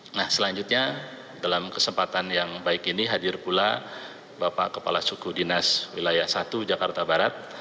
nah selanjutnya dalam kesempatan yang baik ini hadir pula bapak kepala suku dinas wilayah satu jakarta barat